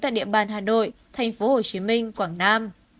tại địa bàn hà nội tp hcm quảng nam